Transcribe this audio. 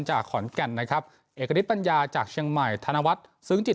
จากขอนแก่นนะครับเอกฤทธปัญญาจากเชียงใหม่ธนวัฒน์ซึ้งจิต